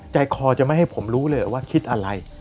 ใจคอจะไม่ให้ผมรู้เลยว่าคิดอะไร